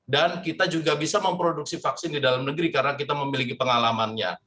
dan kita juga bisa memproduksi vaksin di dalam negeri karena kita memiliki pengalamannya